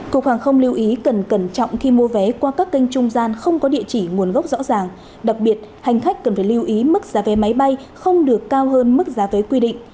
cục hàng không lưu ý cần cẩn trọng khi mua vé qua các kênh trung gian không có địa chỉ nguồn gốc rõ ràng đặc biệt hành khách cần phải lưu ý mức giá vé máy bay không được cao hơn mức giá vé quy định